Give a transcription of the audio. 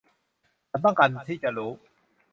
ฉันต้องการที่จะรู้